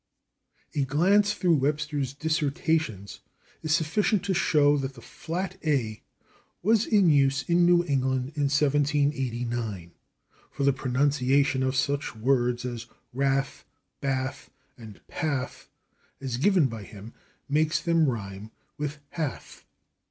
A glance through Webster's "Dissertations" is sufficient to show that the flat /a/ was in use in New England in 1789, for the pronunciation of such words as /wrath/, /bath/ and /path/, as given by him, makes them rhyme with /hath